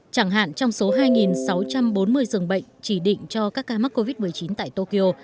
chẳng hạn trong số hai sáu trăm bốn mươi dường bệnh chỉ định cho các ca mắc covid một mươi chín tại tokyo